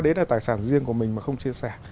đấy là tài sản riêng của mình mà không chia sẻ